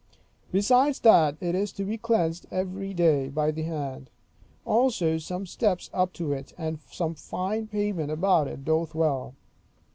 Besides that, it is to be cleansed every day by the hand. Also some steps up to it, and some fine pavement about it, doth well.